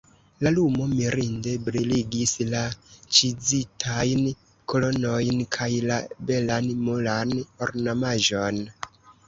La lumo mirinde briligis la ĉizitajn kolonojn kaj la belan muran ornamaĵon.